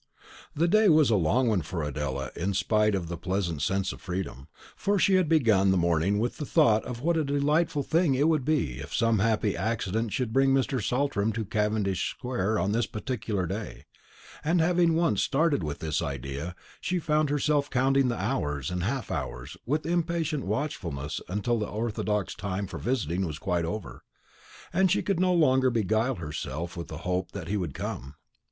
The day was a long one for Adela, in spite of the pleasant sense of freedom; for she had begun the morning with the thought of what a delightful thing it would be if some happy accident should bring Mr. Saltram to Cavendish square on this particular day; and having once started with this idea, she found herself counting the hours and half hours with impatient watchfulness until the orthodox time for visiting was quite over, and she could no longer beguile herself with the hope that he would come.